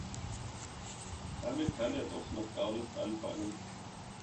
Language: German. Damit kann er doch noch gar nichts anfangen.